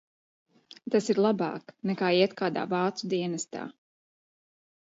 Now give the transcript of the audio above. Tas ir labāk, nekā iet kādā vācu dienestā.